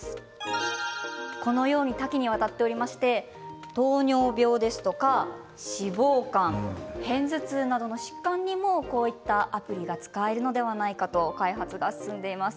多岐にわたっておりまして糖尿病や脂肪肝、偏頭痛などの疾患にもこういったアプリがあるのではないかと開発が進んでいます。